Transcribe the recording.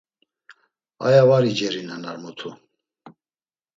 Aya var icerinen ar mutu!